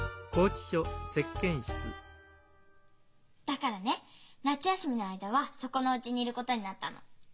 だからね夏休みの間はそこのおうちにいることになったの。